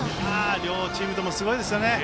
両チームともすごいですね。